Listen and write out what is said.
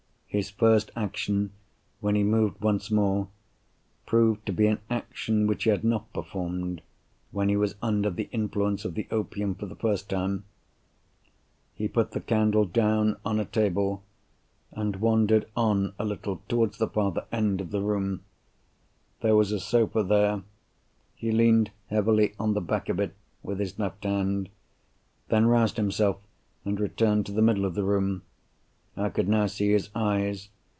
His first action, when he moved once more, proved to be an action which he had not performed, when he was under the influence of the opium for the first time. He put the candle down on a table, and wandered on a little towards the farther end of the room. There was a sofa there. He leaned heavily on the back of it, with his left hand—then roused himself, and returned to the middle of the room. I could now see his eyes.